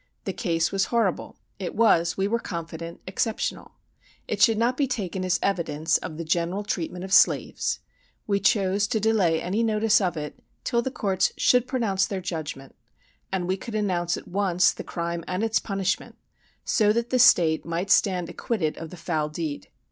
The case was horrible; it was, we were confident, exceptional; it should not be taken as evidence of the general treatment of slaves; we chose to delay any notice of it till the courts should pronounce their judgment, and we could announce at once the crime and its punishment, so that the state might stand acquitted of the foul deed.